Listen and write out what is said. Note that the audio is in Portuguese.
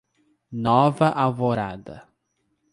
Nova Alvorada